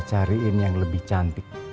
cariin yang lebih cantik